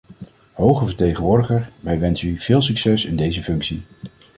Hoge vertegenwoordiger, wij wensen u veel succes in deze functie.